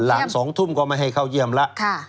หลัง๒ทุ่มก็ไม่ให้เข้าเยี่ยมแล้ว